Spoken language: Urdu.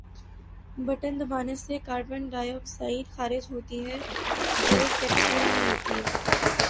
بٹن دبانے سے کاربن ڈائی آکسائیڈ خارج ہوتی ہے جو ایک کیپسول میں ہوتی ہے۔